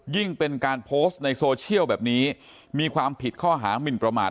เป็นการโพสต์ในโซเชียลแบบนี้มีความผิดข้อหามินประมาท